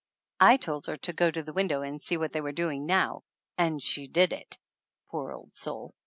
I told her to go to the window and see what they were doing now, and she did it, poor old soul!